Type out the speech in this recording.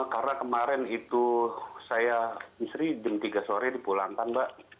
karena kemarin itu saya istri jam tiga sore di pulau lantang mbak